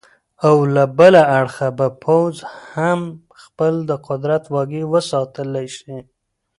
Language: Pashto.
او له بله اړخه به پوځ هم خپل د قدرت واګې وساتلې شي.